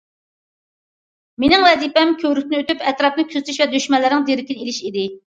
مېنىڭ ۋەزىپەم كۆۋرۈكتىن ئۆتۈپ ئەتراپنى كۆزىتىش ۋە دۈشمەنلەرنىڭ دېرىكىنى ئېلىش ئىدى.